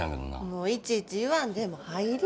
もういちいち言わんでええ。